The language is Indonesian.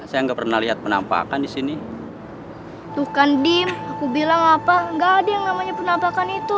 saya nggak pernah lihat penampakan di sini tuh kan diem aku bilang apa enggak ada yang namanya penampakan itu